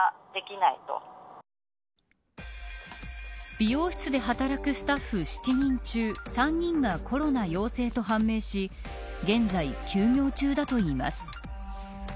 美容室で働くスタッフ７人中３人がコロナ陽性と判明し現在休業中だといいます。